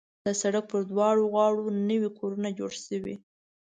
د سړک پر دواړه غاړو نوي کورونه جوړ شوي.